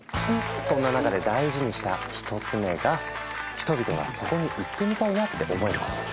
そんな中で大事にした１つ目が「人々がそこに行ってみたいな」って思えること。